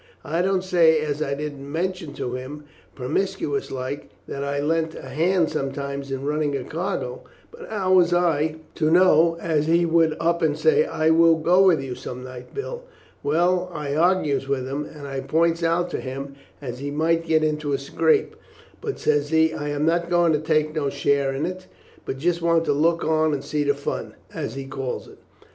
I don't say as I didn't mention to him, promiscuous like, that I lent a hand some times in running a cargo; but how was I to know as he would up and say, 'I will go with you some night, Bill.' Well, I argues with him, and I points out to him as he might get into a scrape; but, says he, 'I am not going to take no share in it, but just want to look on and see the fun,' as he calls it.